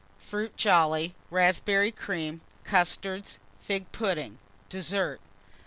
Fruit Jolly. Raspberry Cream. Custards. Fig Pudding. DESSERT.